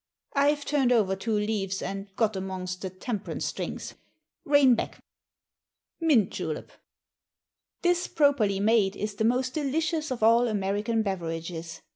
I've turned over two leaves, and got amongst the Temperance Drinks. Rein back! Mint Julep. This, properly made, is the most delicious of all American beverages.